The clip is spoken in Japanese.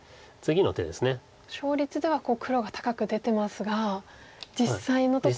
勝率では黒が高く出てますが実際のところは。